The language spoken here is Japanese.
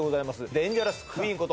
デンジャラスクイーンこと